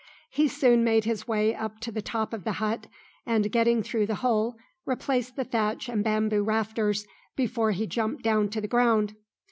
He soon made his way up to the top of the hut, and getting through the hole replaced the thatch and bamboo rafters before he jumped down to the ground.